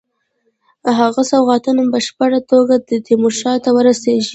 هغه سوغاتونه په بشپړه توګه تیمورشاه ته ورسیږي.